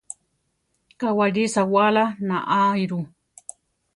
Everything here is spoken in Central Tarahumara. Kawáli sawála naáiru.